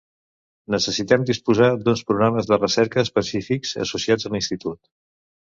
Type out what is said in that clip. Necessitem disposar d'uns programes de recerca específics, associats a l'institut.